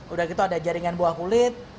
udah gitu ada jaringan buah kulit